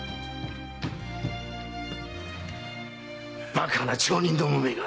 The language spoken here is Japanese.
バカな町人どもめが！